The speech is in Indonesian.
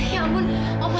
ya ampun oma